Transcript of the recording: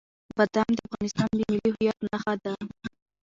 بادام د افغانستان د ملي هویت نښه ده.